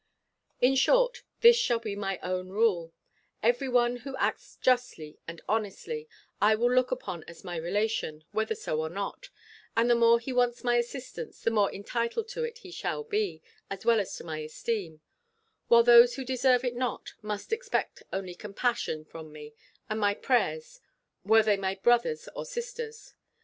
In short, this shall be my own rule Every one who acts justly and honestly, I will look upon as my relation, whether so or not; and the more he wants my assistance, the more entitled to it he shall be, as well as to my esteem; while those who deserve it not, must expect only compassion from me, and my prayers were they my brothers or sisters.